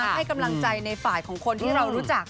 ให้กำลังใจในฝ่ายของคนที่เรารู้จัก